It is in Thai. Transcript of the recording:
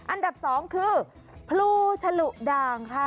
อันดับ๒คือพลูชะหรูดางค่ะ